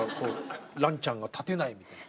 ランちゃんが立てないみたいな。